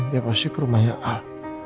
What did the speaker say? dia pasti ke rumahnya al